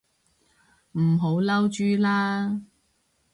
唔好嬲豬啦